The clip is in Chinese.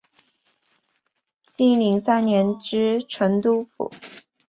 熙宁三年知成都府。